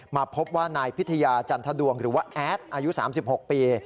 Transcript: มาพบว่านายพิทยาจันทดวงหรือว่าแอดอายุ๓๖ปี